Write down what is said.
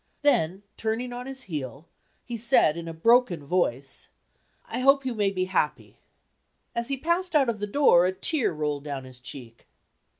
Then, turning on his heel, he said, in a broken voice: "I hope you may be happy." As he passed out of the door, a tear rolled down his cheek.